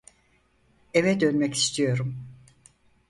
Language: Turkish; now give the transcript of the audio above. Eve dönmek istiyorum.